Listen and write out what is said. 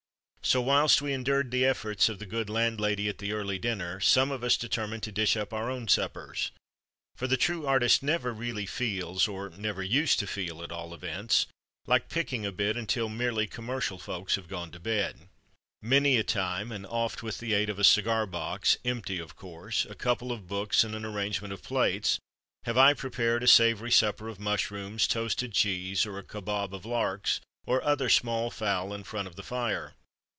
So, whilst we endured the efforts of the good landlady at the early dinner, some of us determined to dish up our own suppers. For the true artist never really feels (or never used to feel, at all events) like "picking a bit" until merely commercial folks have gone to bed. Many a time and oft, with the aid of a cigar box (empty, of course), a couple of books, and an arrangement of plates, have I prepared a savoury supper of mushrooms, toasted cheese, or a kebob of larks, or other small fowl, in front of the fire.